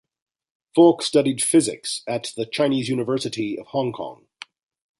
Fok studied physics at the Chinese University of Hong Kong.